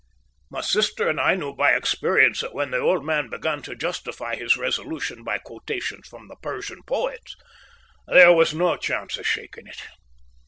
My sister and I knew by experience that when the old man began to justify his resolution by quotations from the Persian poets there was no chance of shaking it.